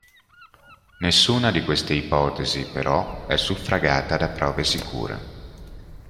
Nessuna di queste ipotesi però è suffragata da prove sicure.